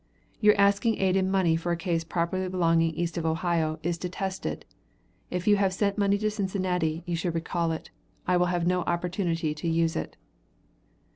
Your asking aid in money for a case properly belonging east of Ohio, is detested. If you have sent money to Cincinnati, you should recall it. I will have no opportunity to use it.